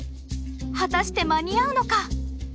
果たして間に合うのか？